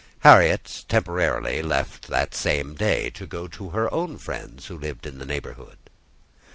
Harriet temporarily left that same day, to go to her own friends, who lived in the neighbourhood.